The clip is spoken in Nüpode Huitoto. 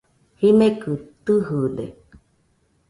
Jimekɨ tɨjɨde